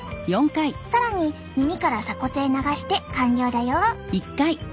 更に耳から鎖骨へ流して完了だよ。